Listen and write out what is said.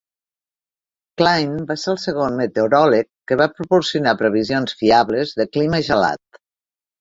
Cline va ser el segon meteoròleg que va proporcionar previsions fiables de clima gelat.